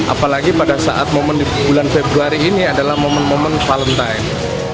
apalagi pada saat momen di bulan februari ini adalah momen momen valentine